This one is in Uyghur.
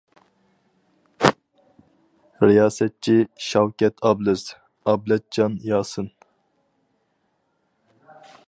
رىياسەتچى : شاۋكەت ئابلىز، ئابلەتجان ياسىن.